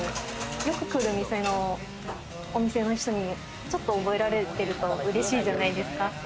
よく来る店のお店の人に、ちょっと覚えられてると嬉しいじゃないですか。